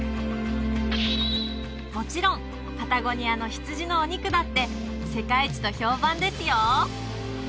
もちろんパタゴニアの羊のお肉だって世界一と評判ですよ